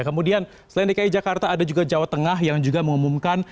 kemudian selain dki jakarta ada juga jawa tengah yang juga mengumumkan